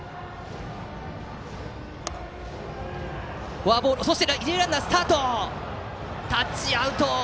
フォアボールそして一塁ランナースタートだがタッチアウト！